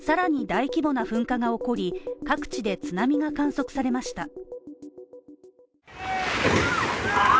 この噴火の翌日、さらに大規模な噴火が起こり、各地で津波が観測されました。